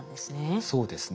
そうですね。